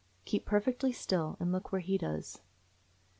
Keep perfectly still, and look where he does."